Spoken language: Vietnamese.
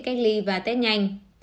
cách ly và test nhanh